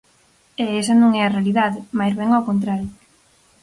E esa non é a realidade, máis ben ao contrario.